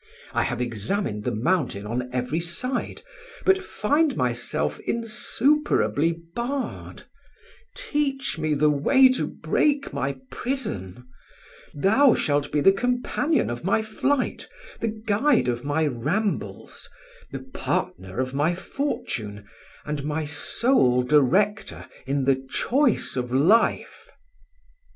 I have examined the mountain on every side, but find myself insuperably barred—teach me the way to break my prison; thou shalt be the companion of my flight, the guide of my rambles, the partner of my fortune, and my sole director in the choice of life.